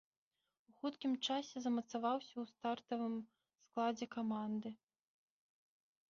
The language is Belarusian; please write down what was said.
У хуткім часе замацаваўся ў стартавым складзе каманды.